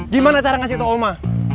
gimana cara ngasih tau oma